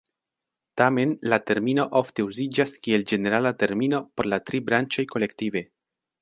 Tamen, la termino ofte uziĝas kiel ĝenerala termino por la tri branĉoj kolektive.